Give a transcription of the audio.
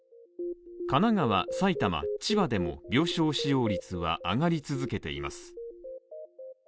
神奈川、埼玉、千葉でも、病床使用率は上がり続けています。